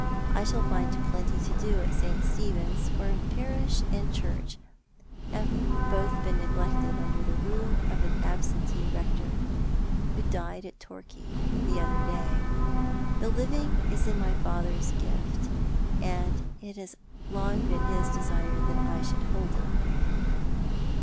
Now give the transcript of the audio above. I shall find plenty to do at St. Stephen's, for parish and "A Passionless Peace" 321 church have both been neglected under the rule of an absentee rector, who died at Torquay the other day. The living is in my father's gift, and it has long been his desire that I should hold it.